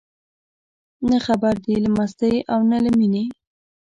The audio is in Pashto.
نه خبر دي له مستۍ او نه له مینې